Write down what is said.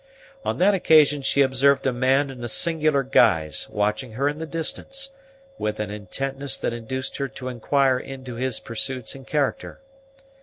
On that occasion she observed a man in a singular guise, watching her in the distance, with an intentness that induced her to inquire into his pursuits and character.